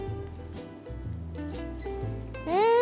うん！